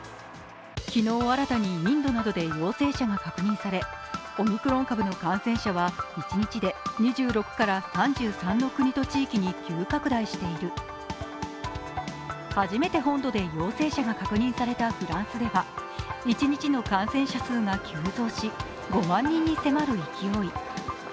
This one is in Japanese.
昨日新たにインドなどで陽性者が確認され、オミクロン株の感染者は１日で２６から３３の国と地域に急拡大している初めて本土で陽性者が確認されたフランスでは一日の感染者数が急増し、５万人に迫る勢い。